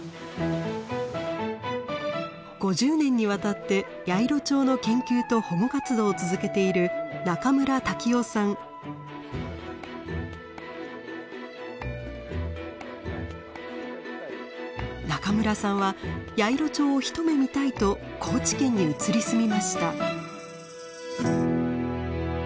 ５０年にわたってヤイロチョウの研究と保護活動を続けている中村さんはヤイロチョウを一目見たいと高知県に移り住みました。